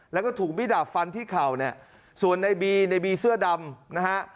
แล้วก็ถูกมิดาบฟันที่เข่าเนี่ยส่วนในบีในบีเสื้อดำนะฮะ